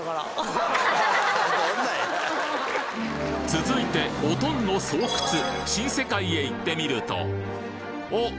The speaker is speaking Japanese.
続いてオトンの巣窟新世界へ行ってみるとおっ！